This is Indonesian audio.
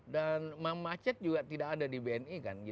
dan macet juga tidak ada di bni kan